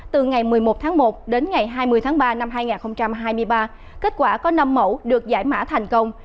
từ ngày một mươi một tháng một đến ngày hai mươi tháng ba năm hai nghìn hai mươi ba kết quả có năm mẫu được giải mã thành công